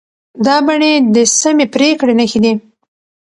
دا بڼې د سمې پرېکړې نښې دي.